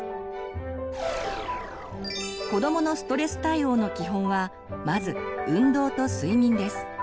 子どものストレス対応の基本はまず運動と睡眠です。